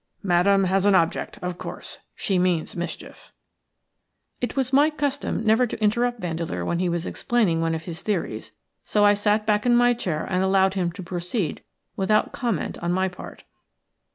Madame has an object, of course. She means mischief." It was my custom never to interrupt Vandeleur when he was explaining one of his theories, so I sat back in my chair and allowed him to proceed without comment on my part.